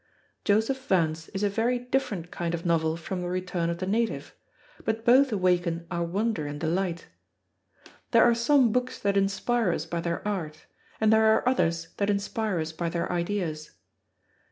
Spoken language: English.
Joseph Vance is a very different kind of novel from The Return of the Native, but both awaken our wonder and delight. There are some books that inspire us by their art, and there are others that inspire us by their ideas.